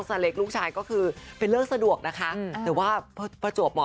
โทษกวน